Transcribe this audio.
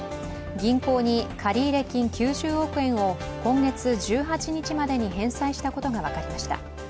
銀行に借入金９０億円を今月１８日までに返済したことが分かりました。